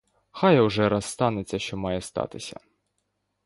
Хай уже раз станеться, що має статися.